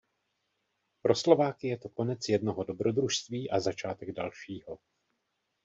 Pro Slováky je to konec jednoho dobrodružství a začátek dalšího.